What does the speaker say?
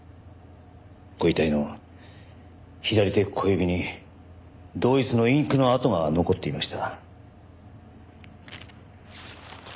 ご遺体の左手小指に同一のインクの跡が残っていました。